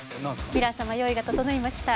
ヴィラン様用意が整いました。